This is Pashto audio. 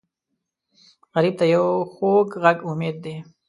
غریب ته یو خوږ غږ امید دی